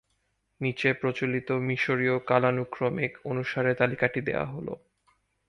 নিচে প্রচলিত মিশরীয় কালানুক্রমিক অনুসারে তালিকাটি দেওয়া হল।